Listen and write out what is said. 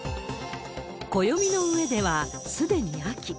暦の上ではすでに秋。